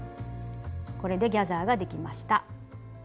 これでギャザーができました。